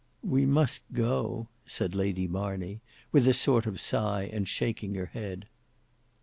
"We must go," said Lady Marney, with a sort of sigh, and shaking her head.